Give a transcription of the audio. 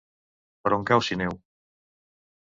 Per on cau Sineu?